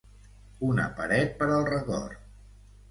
una paret per al record